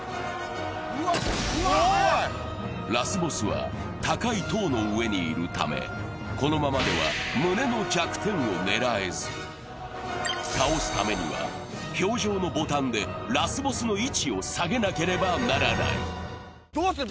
うわっ怖いラスボスは高い塔の上にいるためこのままでは胸の弱点を狙えず倒すためには氷上のボタンでラスボスの位置を下げなければならないどうする？